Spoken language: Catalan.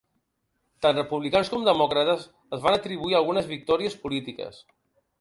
Tant republicans com demòcrates es van atribuir algunes victòries polítiques.